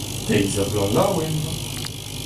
Deiz-ha-bloaz laouen !